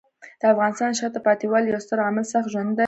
د افغانستان د شاته پاتې والي یو ستر عامل سخت ژوند دی.